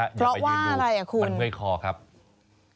เพราะว่าอะไรอ่ะคุณมันเมื่อยคอครับ